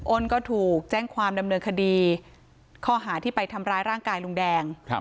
้นก็ถูกแจ้งความดำเนินคดีข้อหาที่ไปทำร้ายร่างกายลุงแดง